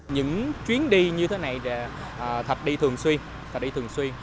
những chuyến đi như thế này thật đi thường xuyên